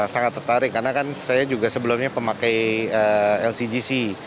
sangat tertarik karena kan saya juga sebelumnya pemakai lcgc